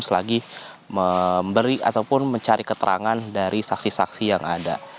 selagi memberi ataupun mencari keterangan dari saksi saksi yang ada